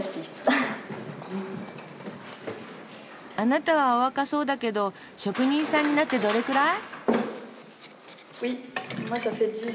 あなたはお若そうだけど職人さんになってどれくらい？